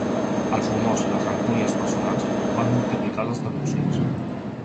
Els rumors i les rancúnies personals van multiplicar les denúncies.